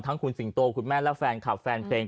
คุณสิงโตคุณแม่และแฟนคลับแฟนเพลง